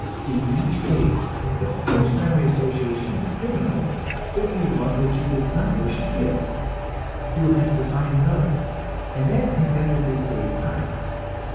In each case the first memory association of the criminal will be one which he does not wish to give. He will have to find another, and that inevitably takes time.